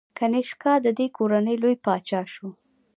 کنیشکا د دې کورنۍ لوی پاچا شو